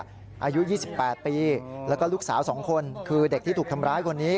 อายุ๒๘ปีแล้วก็ลูกสาว๒คนคือเด็กที่ถูกทำร้ายคนนี้